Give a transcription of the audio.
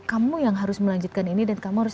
kamu yang harus melanjutkan ini dan kamu harus